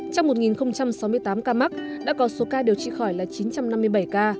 trong một sáu mươi tám ca mắc đã có số ca điều trị khỏi là chín trăm năm mươi bảy ca